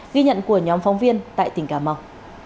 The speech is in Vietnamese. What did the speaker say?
ghi nhận của nhóm phóng viên tại tỉnh cà mau